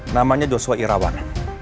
namanya joshua irawan